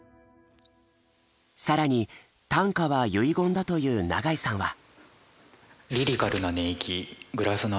更に短歌は遺言だという永井さんは。